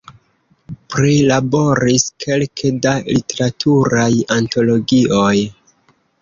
Prilaboris kelke da literaturaj antologioj.